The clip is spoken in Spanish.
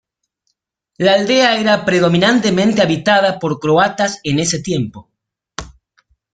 La aldea era predominantemente habitada por croatas en ese tiempo.